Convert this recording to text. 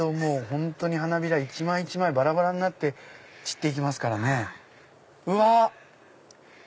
本当に花びら一枚一枚ばらばらになって散って行きますからね。